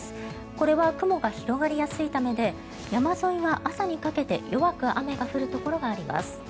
これは雲が広がりやすいためで山沿いは朝にかけて弱く雨が降るところがあります。